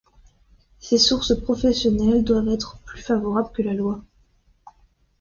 Ces sources professionnelles doivent être plus favorable que la loi.